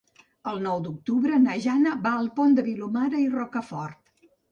El nou d'octubre na Jana va al Pont de Vilomara i Rocafort.